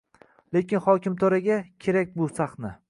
Lekin hokimto‘raga kerak bu sahna.